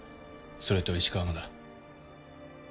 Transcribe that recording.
それと石川もだ。